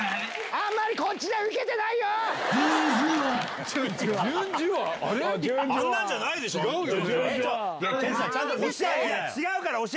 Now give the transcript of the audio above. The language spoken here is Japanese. あんまりこっちでウケてないよ。